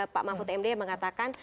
pak mahfud md yang mengatakan